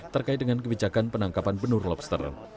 terkait dengan kebijakan penangkapan penur loster